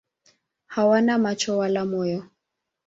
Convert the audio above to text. Hawana macho wala moyo.